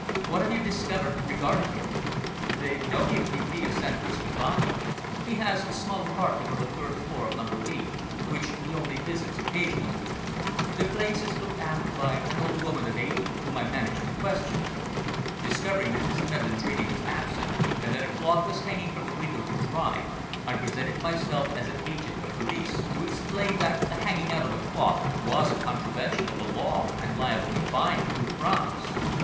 "What have you discovered regarding him?" "They know him in Via San Cristofano. He has a small apartment on the third floor of number eight, which he only visits occasionally. The place is looked after by an old woman of eighty, whom I managed to question. Discovering that this Melandrini was absent and that a cloth was hanging from the window to dry, I presented myself as an agent of police to explain that the hanging out of a cloth was a contravention of the law and liable to a fine of two francs.